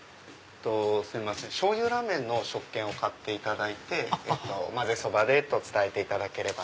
すいません醤油ラーメンの食券を買っていただいて「まぜそばで」と伝えていただければ。